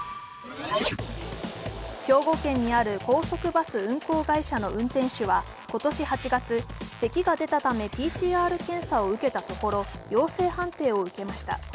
兵庫県にある高速バス運行会社の運転手は今年８月、せきが出たためＰＣＲ検査を受けたところ、陽性判定を受けました。